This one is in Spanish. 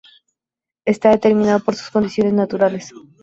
Está determinado por sus condiciones naturales.